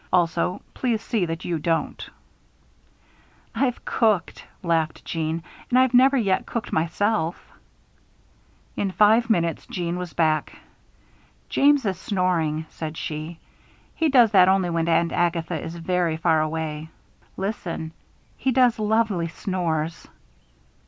Also, please see that you don't." "I've cooked," laughed Jeanne, "and I've never yet cooked myself." In five minutes, Jeanne was back. "James is snoring," said she. "He does that only when Aunt Agatha is very far away. Listen! He does lovely snores!"